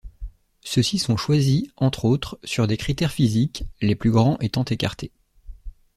Ceux-ci sont choisis, entre autres, sur des critères physiques, les plus grands étant écartés.